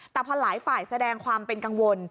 แต่พอหลายฝ่ายแสดงความเป็นกังวล